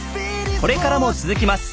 これからも続きます。